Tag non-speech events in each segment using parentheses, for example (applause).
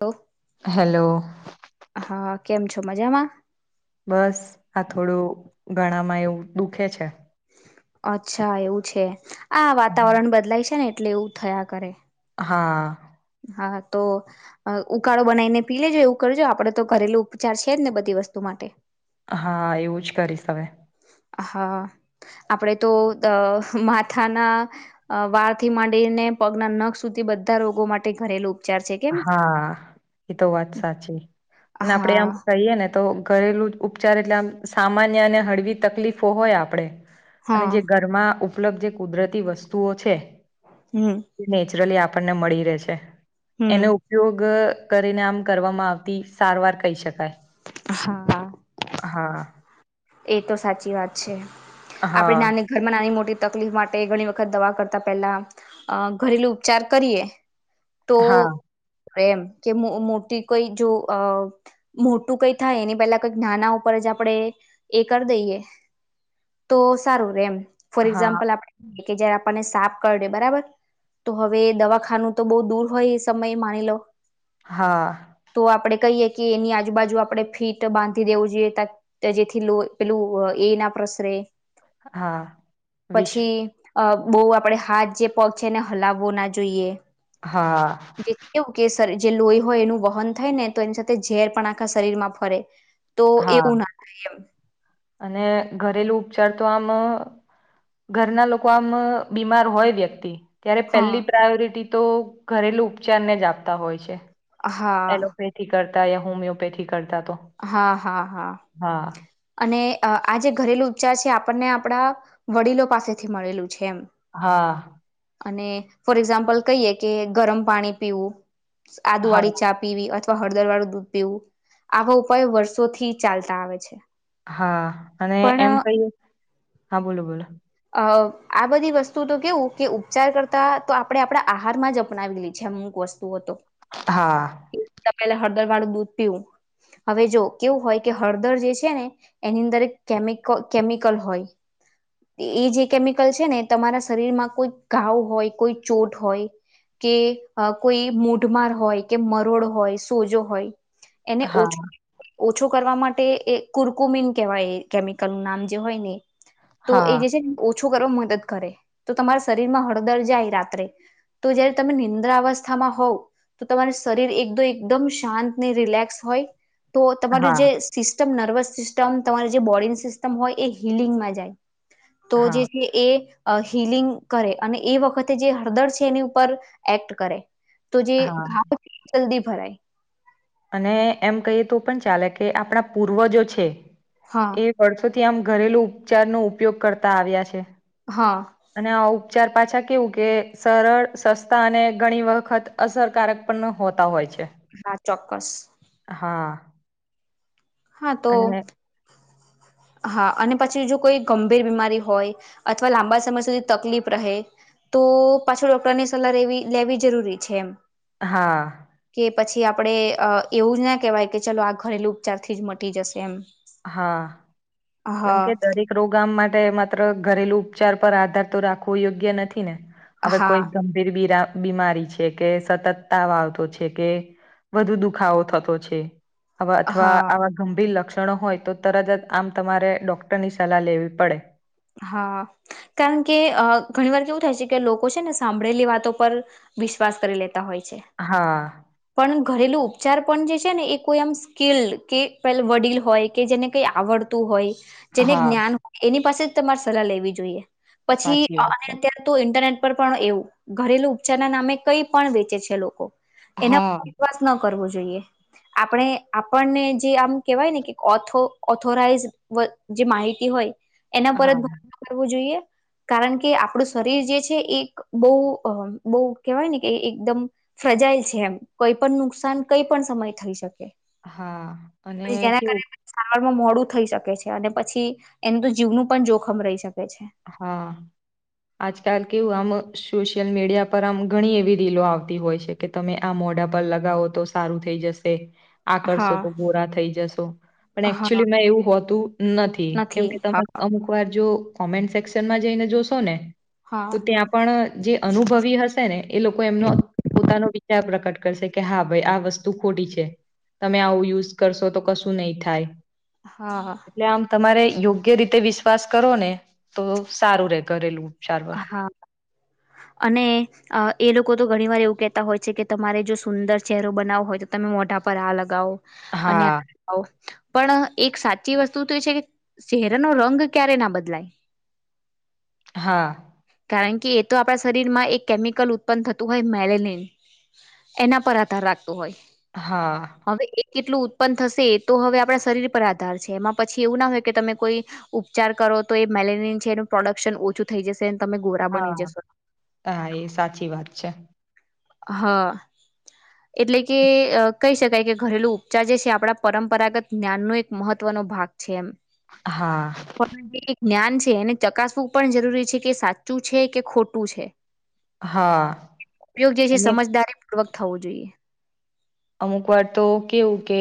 Hello hello હા કેમ છો મજામાં બસ આ થોડું ઘણામાં એવું દુખે છે અચ્છા એવું છે આ વાતાવરણ બદલાય છે ને એટલે એવું થયા કરે હા હા તો ઉકાળો બનાવીને પી લેજો એવું કરજો આપડે તો ઘરેલું ઉપચાર છે જ ને બધી વસ્તુ માટે હા એવું જ કરીશ હવે હા આપણેે તો માથાના વાળથી માંડીને પગના નખ સુધી બધા રોગો માટે ઘરેલું હા એતો વાત સાચી અને આપડે હા આમ કહીએ ને તો ઘરેલું જ ઉપચાર એટલે સામાન્ય અને હળવી તકલીફો હોય આપડણે અને હા જે ઘરમાં ઉપલબ્ધ જે કુદરતી વસ્તુઓ છે હમ તે નેચરલી આપણને મળી રહેશે હમ એનો ઉપયોગ કરીને આમ કરવામાં આવતી સારવાર કહી શકાય હા હા એ તો સાચી વાત છે આપે હા નાની ઘરમાં નાની મોટી તકલીફ માટે ઘણી વખત દવા કરતા પેલા અ ઘરેલુ ઉપચાર કરીએ તો હા એમ કે મોટી કોઈ જો મો ું કઈ થાય એની પેલા કઈક નાના ઉપર જ આપણે એ કરી દઈએ તો સારું રેમ ફોર હા એક્ઝામ્પલ આપે કે જયારે આપણને સાફ કરીે બરાબર તો હવે દવાખાનું તો બઉુ દૂર હોય એ સમયે માની લો હા તો આપડે કહીએ કે એની આજુબાજુ આપણે આપણે ફીટ બાંધી દેવું જોઈએ જેથી લો પેલું એ ના પ્રસરે હા વિશ પછી અ બહુ આપડણે હાથ જે પગ છે એને હલાવવો ના જોઈએ હા જેથી કેવું કે જે લોહી હોય એનું વહન થાય ને તો એની સાથે ઝેર પણ આખા શરીર માં ફરે તો હા એવું ના થાય એમ અને ઘરેલું ઉપચાર તો આમ ઘરના લોકો આમ બીમાર હોય વ્યક્તિ ત્યારે હા પહેલી પ્રાયોરિટી તો ઘરેલુ ઉપચારને જ આપતા હોય છે હા એલોપેથી કરતા યા હોમિયોપેથી કરતા તો હા હા હા હા અને આ જે ઘરેલુ ઉપચાર છે આપણને આપણા વડીલો પાસેથી મળેલું છે એમ હા અને ફોર એક્ઝામ્પલ કહીએ કે ગરમ પાણી પીવું આદુ વાળી હા ચા પીવી અથવા હળદર વાળું દૂધ પીવું આવા ઉપાય વર્ષોથી ચાલતા આવે છે હા અને પણ એમ કઈ હા બોલો બોલો અ આ બધી વસ્તુ તો કેવું કે ઉપચાર કરતા તો આપડણે આપણા આહારમાં જ અપનાવી લે છે અમક વસ્તુ હતો હા પેલા હળદર વાળું દૂધ પીયું હવે જો કેવું હોય કે હળદર જે છે ને એની અંદર કેમિક કેમિકલ હોય (unintelligible) (inaudible) એ જે કેમિકલ છે ને તમારા શરીરમાં કોઈ ઘાવ હોય કોઈ ચોટ હોય કે કોઈ મોઢમાર હોય કે મરોડ હોય સોજો હોય એને હા ઓછું ઓછો કરવા માટે એ કુરકુમીન કહેવાય કેમિકલ નું નામ જે હોય ને તો એ હા જે છે ઓછો કરવા મદદ કરે તો તમારા શરીરમાં હળદર જાય રાત્રે તો જયારે તમે નિંદ્ર અવસ્થામાં હોવ તો તમાર શરીર એકદ એકદમ શાંત ને રિલેક્સ હોય તો તમારું હા જે સિસ્ટમ નથી નર્વસ સિસ્ટમ તમારી જે બોડીની સિસ્ટમ હોય એ હિલિંગમાં જાય તો હા જે છે એ અ હિલિંગ કરે અને એ વખતે જે હળદર છે એની ઉપર એક્ટ કરે તો જે હા (unintelligible) જલ્દી ભરાય અને એમ કહીએ તો પણ ચાલે કે આપણા પૂર્વ જો છે હા એ વર્ષોથી થી આમ ઘરેલુ ઉપચાર નો ઉપયોગ કરતા આવ્યા છે હા અને આઉ ઉપચાર પાછા કેવું કે સરળ સસ્તા અને ઘણી વખત અસરકારક પણ હોતા હોય છે હા ચોક્કસ હા હા તો અને હા અને પછી જો કોઈ ગંભીર બીમારી હોય અથવા લાંબા સમય સુધી તકલીફ રહે તો પાછો ડોક્ટરની સલાહ લેવી લેવી જરૂરી છે એમ હા કે પછી આપડે એવું જ ના કહેવાય કે ચલો આ ઘરેલું ઉપચારથી જ મટી જશે એમ હા હા કેમકે દરેક રોગ માટે માત્ર ઘરેલુ ઉપચાર પર આધાર તો રાખવો યોગ્ય નથી ને હવે હા કોઈ ગંભીર બ બીમારી છે કે સતત તા વા આવતો છે કે વધુ દુખાવો થતો છે હવે અથવા હા આવા ગંભીર લક્ષણો હોય તો તરજત આમ તમારે ડોક્ટર ની સલાહ લેવી પડે હા કારણ કે અ ઘણી વાર કેવું થાય છે કે લોકો છે ને સાંભળેલી વાતો પર વિશ્વાસ કરી લેતા હોય છે હા પણ ઘરેલુ ઉપચાર પણ જે છેને એ કોઈ એમ સ્કીિલ્ડ કે પે વડીલ હોય કે જેને કઈ આવડતું હોય જેને હા જ્ઞાન હોય એની પાસે જ તમારે સલાહ લેવી જોઈએ પછી સાચી વાત છે અત્યારે તો ઇન્ટરનેટ પણ એવું ઘરેલુ ઉપચાર ના નામે કઈ પણ વેચે છે લોકો એના હા પર વિશ્વાસ ના કરવુ જાઈએ આપને આપણે જે આમ કહેવાય ઓથો ઓથોરાઈઝ્ડ જે માહિતી હોય એના પર જ હા ભ કરવું જોઈએ કારણ કે આપણું શરીર જે છે એક બહુ બહુ કેહેવાય ને કે એકદમ સજાયેલ છે એમ કોઈ પણ નુકસાન કઈ પણ સમય થઈ શકે હા અને પછી જેના કેવું કારણે મોડું થઈ શકે છે અને પછી એનું તો જીવનું પણ જોખમ રહી શકે છે હા આજકાલ કેવુ હ સોશિયલ મીડિયા પર આમ ઘણી એવી રીલો આવતી હોય છે કે તમે આ મોઢા પર લગાવો તો સારું થઈ જશે આકર્શો હા તો ગોરા થઈ જશો પણ હા એકચુલી એવું હોતું નથી કેમકે તમે અમુક વાર જો કોમેન્ટ સેક્શનમાં જઈને જોશો ને હા તો ત્યાં પણ જે અનુભવી હશે ને એ લોકો એમનો પોતાનો વિચાર પ્રકટ કરે કે હા ભાઈ આ વસ્તુ ખોટી છે તમે આવું યુઝ કરશો તો કશું નહી થાય હા એટલે આમ તમારે યોગ્ય રીતે વિશ્વાસ કરો ને તો સારું રે ઘેલું હા અને એ લોકો તો ઘણી વાર એવું કહેતા હોય છે કે તમારે જો સુંદર ચહેરો બનાવો હોય તો તમે મોઢ પર આ લગાવો અને હા લો પણ એક સાચી વસ્તુ તો એ છે કે ચહેરાનો રંગ ક્યારે ના બદલાય હા કારણ કે એ તો આપણા શરીરમાં એક કેમિકલ ઉત્પન થતું હોય મેલેલીન એના પર આધાર રાખતો હોય હા હવે. કેટલું ઉત્પન્ન થશે એ તો હવે આપણા શરીર પર આધાર છે એમાં પછી એવું ના હોય કે તમે કોઈ ઉપચાર કર તો એ મેલેનિયન છે એનું પ્રોડક્શન ઓછું થઈ જશે અને તમે ગોરા બની હા જશો હા એ સાચી વાત છે. હા. એટલે કે કહી શકાય કે ઘરેલુ ઉપચાર જે છે આપણા પરંપરાગત જ્ઞાનનું એક મહત્વ. હા છે જ્ઞાન છે એને ચકાસવું પણ જરૂરી કે સાચું છે કે ખોટું છે હા ઉપયોગ જે છે અને સમજદારી પૂવક થવું જોઈએ. અમુક વાર તો કેવું કે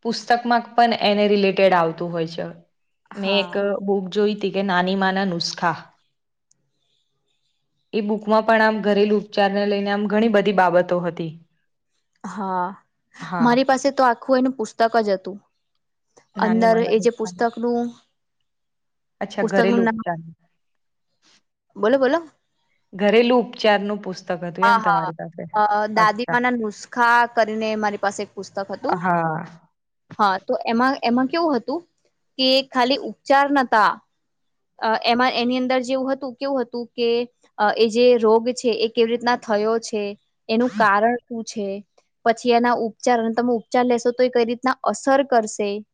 પુસ્તકમાં પણ એને રિલેટેડ આવતું હોય છે. મેં એક હા બુક જોઈ ત કે નાની માના નુસ્ખા (inaudible) એ બુકમાં પણ આમ ઘરેલુ ઉપચારને લઈને આમ ઘણી બધી બાબતો હતી. હા હા મારી પાસે તો આખું એને પુસ્તક જ હતું. નાની અંદર માના એ જે નુસ્ખા પુસ્તક નું અચ્છા ઘરેલ ચ બોલો બોલો. ઘરેલુ ઉપચાર નું પુસ્તક હતું હા એમ હા તમારી પાસે અ અચ્છા દાદીમાના નુસખા કરીને મારી પાસે એક પુસ્તક હતું. હા હા તો એમાં એમાં કેવું હતું કે ખાલી ઉપચાર નતા. એમાં એની અંદર જેવું હતું કેવું હતું કે એ જે રોગ છે એ કેવી રીતના થયો છે એનું કારણ શું? પછી એના ઉપચાર અને તમે ઉપચાર લેશો તો એ કઈ રીતના અસર કરશે. (inaudible)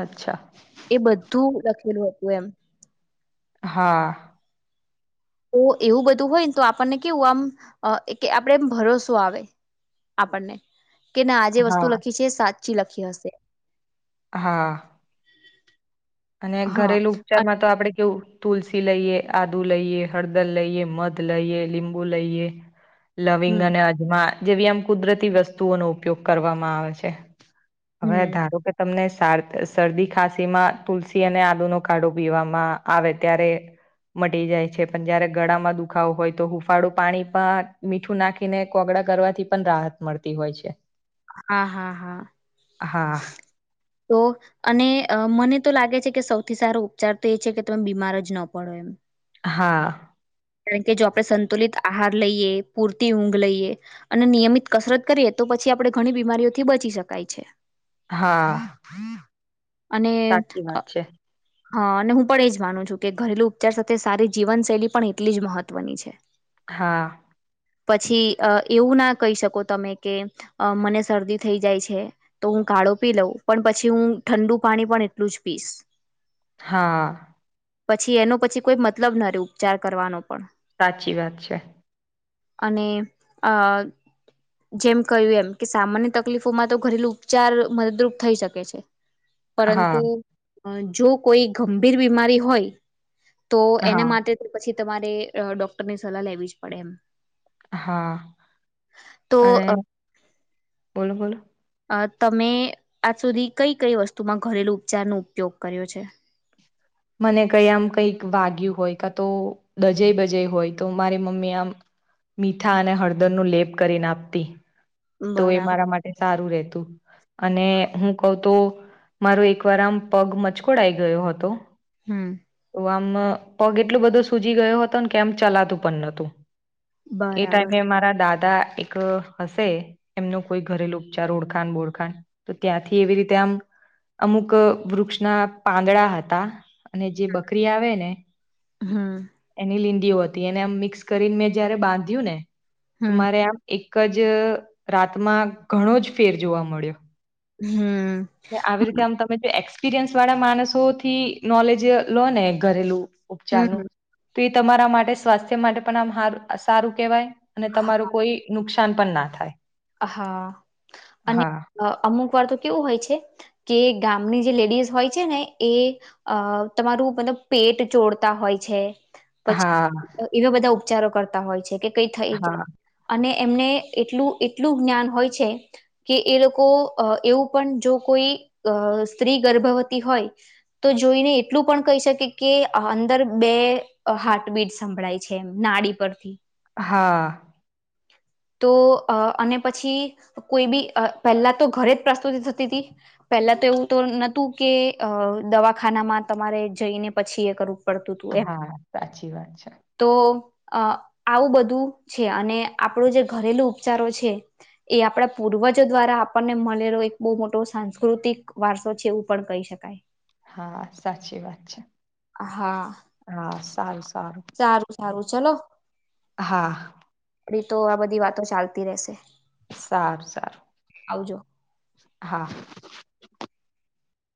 અચ્છા. પ એમ હા. તો એવું બધું હોયને તો આપણને કેવું આમ કે આપડે એમ ભરોસો આવે. આપણને કે ના આ જેે વસ્તુ હા લખી છે સાચી લખી હશે. હા. અને હા ઘરેલુ ઉપચાર અ- માં તો આપડે કેવું તુલસી લઈએ આદુ લઈએ હળદર લઈએ મધ લઈએ લીંબુ લઈએ. લવિંગ હમ અને અજમા જેવી આમ કુદરતી વસ્તુઓનો ઉપયોગ કરવામાં આવે છે. હવે હમ ધારો કે તમને શરદી ખાંસીમાં તુલસી અને આદુનો કાડો પીવામાં આવે ત્યારે મટી જાય છે પણ જયારે ગળામાં દુખાવો હોય તો હુફાળું પાણી પણ મીઠું નાખીને કોગડ કરવાથી પણ રાહત મળતી હોય છે. હા હા હા હા તો અને મને તો લાગે છે કે સૌથી સારો ઉપચાર તો એ છે કે તમે બીમાર જ ન પડો એમ હા. કારણ કે જો આપણે સંતુલિત આહાર લઈએ પૂરતી ઊંઘ લઈએ અને નિયમિત કસરત કરીએ તો પછી આપડણે ઘણી બીમારીઓથી બચી શકાય છે. હા. અને સાચી વાત છે હા અને હું પણ એજ માનું છું કે ઘરેલુ ઉપચાર સાથે સારી જીવનશૈલી પણ એટલી જ મહત્વની છે. હા. પછી અ એવું ના કહી શકો તમે કે મને શરદી થઈ જાય છે તો હું કાળો પી લઉં પણ પછી હું ઠંડુ પાણી પણ એટલું જ પીશ. હા. પછી એનો પછી કોઈ મતલબ ના રે ઉપચાર કરવાનો પણ સાચી વાત છે અને આ જેમ કહ્યું એમ કે સામાન્ય તકલીફોમાં તો ઘરેલુ ઉપચાર મદદરૂપ થઈ શકે છે પરંતુ હા જો કોઈ ગંભીર બીમારી હોય તો એના હા માટે પછી તમારે ડોક્ટરની સલાહ લેવી જ પડે એમ હા તો અને બોલો બોલ અ તમે આજ સુધી કઈ કઈ વસ્તુમાં ઘરેલુ ઉપચાર નો ઉપયોગ કર્યો છે મને કઈ આમ કઈક વાગ્યું હોય ક તો ડજે બજાઈ હોય તો મારી મમ્મી આમ મીઠા અને હળદર નું લેપ કરીને આપતી તો એ બરાબર મારા માટે સારું રહેત અને હું ક તો મારો એકવાર આમ પગ મચકોડ આવી ગયો હતો હમ તો આમ પગ એટલું બધો સુૂજી ગયો હતો ને કેમ ચલાતું પણ નતું એ બરાબર ટાઈમે મારા દાદા એક હશે એમનો કોઈ ઘરેલુ ઉપચાર ઓળખાણ બોળખાણ તો ત્યાંથી એવી રીતે આમ અમુક વૃક્ષના પાંદડા હતા અને જે બકરી આવે ને હમ એની લી હતી એને આમ મિક્સ કરીને મેં જયારે બાંધ્યું ને તો હમ મારે આમ એક જ રાતમાં ઘણો જ ફેર જોવા મળ્યો હમ આવી રીતે આમ તમે જો એ એક્સપિરિયન્સ વાળા માણસો થી નોલેજ લો ને ઘરેલું ઉપચારનુંું હમ તો એ તમારા માટે સ્વાસ્થ્ય માટે પણ આમ સારું કહેવાય અને તમારું કોઈ નુકસાન નુકાન પણ ના થાય હા અને હા, અમુક વાર તો કેવું હોય છે કે ગામની જે લેડીઝ હોય છે ને એ તમારું મલ પેટ ચોડતા હોય છે હા, પછી એવા બધા ઉપચારો કરતા હોય છે કે કઈ થઈ જાય હા, અને એમને એટલું એટલું જ્ઞાન હોય છે કે એ લોકો એવું પણ જો કોઈ સ્ત્રી ગ હોય તો જોઈને એટલું પણ કહી શકે કે અંદર બે હા મીટ સંભળાય છે એમ નાળ પરથી હા તો અને પછી કોઈ બી પહેલા તો ઘરે જ પ્રસ્તુતિ થતી હતી પહેલા તો એવું તો નહોતું કે દવાખાનામાં તમારે જઈને પછી એ કરું પડતું હતું એમ હા, સાચી વાત છે. તો અ આવું બધું છે અને આપણો જે ઘરેલુ ઉપચારો છે એ આપણા પૂર્વજો દ્વારા આપણને મળેલો એક બહુ મોટો સાસ સાંસ્કૃતિક વારસો છે એવું પણ કહી શકાય હા સાચી વાત છે હા હા સારું સારું સારું ચલો હા આપડી તો આ બધી વાતો ચાલતી રહેશે સારું સારું આવજો હા